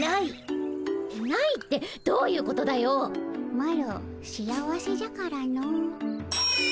マロ幸せじゃからの。